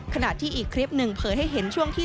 ขณะที่อีกคลิปหนึ่งเผยให้เห็นช่วงที่